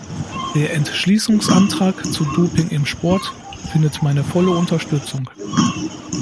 Der Entschließungsantrag zu "Doping im Sport" findet meine volle Unterstützung.